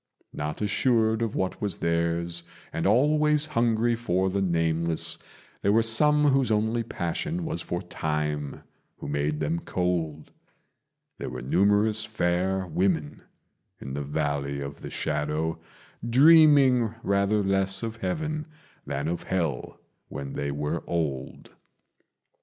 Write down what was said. Not assured of what was theirs, and always hungry for the nameless, There were some whose only passion was for Time who made them cold: There were numerous fair women in the Valley of the Shadow, Dreaming rather less of heaven than of hell when they were old.